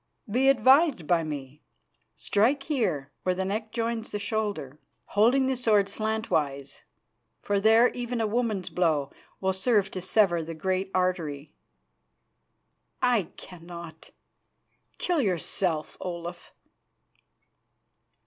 Be advised by me. Strike here, where the neck joins the shoulder, holding the sword slantwise, for there even a woman's blow will serve to sever the great artery." "I cannot. Kill yourself, Olaf."